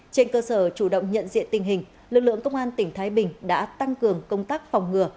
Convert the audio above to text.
trên cơ sở chủ động nhận diện tình hình lực lượng công an tỉnh thái bình đã tăng cường công tác phòng ngừa